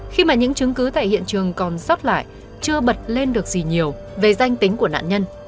khi mà những chứng cứ tại hiện trường còn sót lại chưa bật lên được gì nhiều về danh tính của nạn nhân